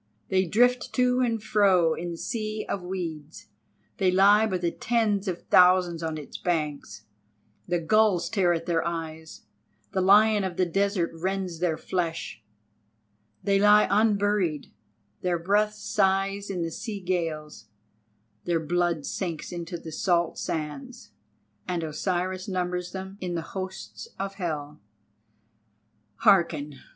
They drift to and fro in the Sea of Weeds—they lie by tens of thousands on its banks; the gulls tear their eyes, the lion of the desert rends their flesh; they lie unburied, their breath sighs in the sea gales, their blood sinks into the salt sands, and Osiris numbers them in the hosts of hell. Hearken!